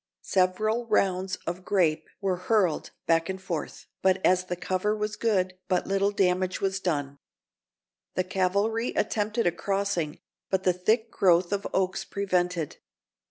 Several rounds of grape were hurled back and forth, but as the cover was good, but little damage was done. The cavalry attempted a crossing, but the thick growth of oaks prevented.